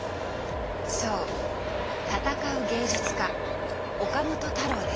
そう闘う芸術家岡本太郎です。